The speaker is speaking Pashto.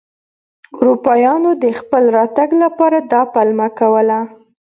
اروپایانو د خپل راتګ لپاره دا پلمه کوله.